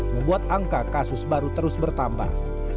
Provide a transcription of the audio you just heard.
membuat angka kasus baru terus bertambah